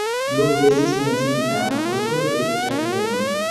Li ofte estis menciita "apostolo de ĝardenoj.